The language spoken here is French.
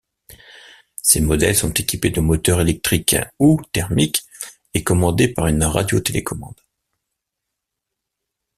Ces modèles sont équipés de moteurs électriques ou thermiques et commandés par une radio-télécommande.